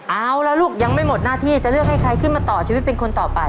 เอาล่ะลูกยังไม่หมดหน้าที่จะเลือกให้ใครขึ้นมาต่อชีวิตเป็นคนต่อไป